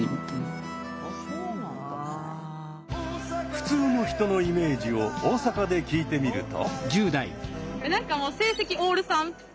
「普通の人」のイメージを大阪で聞いてみると。